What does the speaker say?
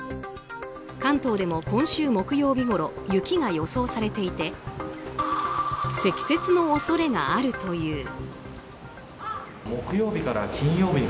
関東でも今週木曜日ごろ雪が予想されていて積雪の恐れがあるという。